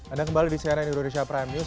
anda kembali di cnn indonesia prime news